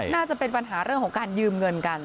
น่าจะเป็นปัญหาเรื่องของการยืมเงินกัน